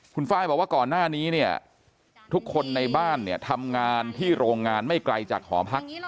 คุณฟ้ายบอกว่าก่อนหน้านี้ทุกคนในบ้านทำงานที่โรงงานไม่ไกลจากหอพัก